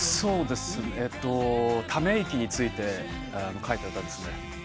ため息について書いた歌ですね。